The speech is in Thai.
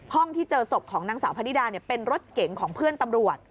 ที่เจอศพของนางสาวพนิดาเป็นรถเก๋งของเพื่อนตำรวจ